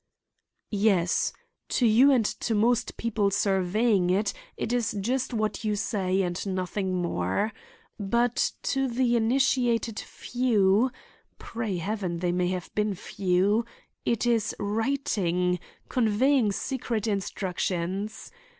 "Yes. To you and to most people surveying it, it is just what you say and nothing more. But to the initiated few—pray Heaven they may have been few—it is writing, conveying secret instructions.